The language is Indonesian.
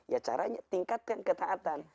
ya caranya tingkatkan ketaatan